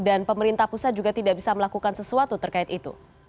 dan pemerintah pusat juga tidak bisa melakukan sesuatu terkait itu